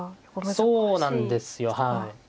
そうなんですよはい。